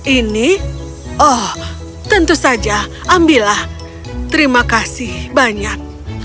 ini oh tentu saja ambillah terima kasih banyak